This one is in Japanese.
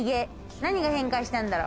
何が変化したんだろう？